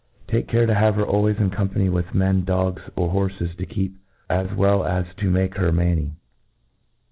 Take care to have her always in com pany with men, dogs, or horfes, to keep, as well as to make her manny.